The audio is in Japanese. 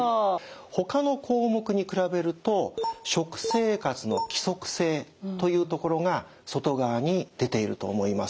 ほかの項目に比べると「食生活の規則性」というところが外側に出ていると思います。